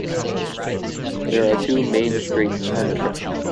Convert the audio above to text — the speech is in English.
There are two main straights on the track.